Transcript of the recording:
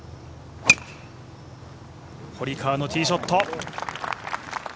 堀川のティーショット。